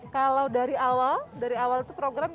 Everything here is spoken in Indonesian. kalau dari awal dari awal itu program